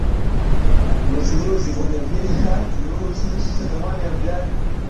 nyuzi nyuzi kwenye viazi hushusha thamani ya viazi